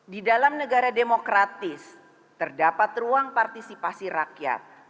di dalam negara demokratis terdapat ruang partisipasi rakyat